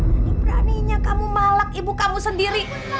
jadi beraninya kamu malak ibu kamu sendiri